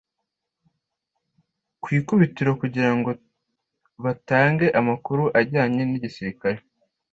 ku ikubitiro kugira ngo batange amakuru ajyanye n’igisirikare